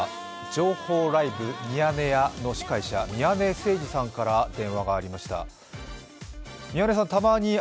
情報ライブ「ミヤネ屋」の司会者、宮根さんから電話がありました。